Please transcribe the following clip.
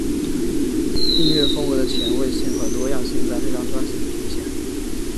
音乐风格的前卫性和多样性在这张专辑很明显。